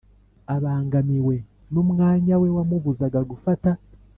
abangamiwe n'umwanya we wamubuzaga gufata